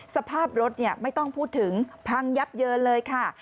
สภาพรถไม่ต้องพูดถึงพังยับเยินเลยค่ะ